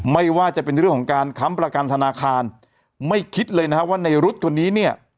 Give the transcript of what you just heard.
ไม่ว่าจะเป็นเรื่องของการค้ำประกันธนาคารไม่คิดเลยนะฮะว่าในรุ๊ดคนนี้เนี่ย